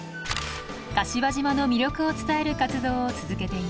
柏島の魅力を伝える活動を続けています。